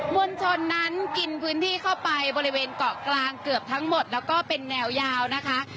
วลชนนั้นกินพื้นที่เข้าไปบริเวณเกาะกลางเกือบทั้งหมดแล้วก็เป็นแนวยาวนะคะ